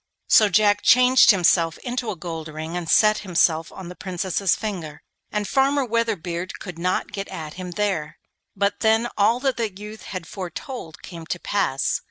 So Jack changed himself into a gold ring, and set himself on the Princess's finger, and Farmer Weatherbeard could not get at him there. But then all that the youth had foretold came to pass.